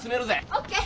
オッケー！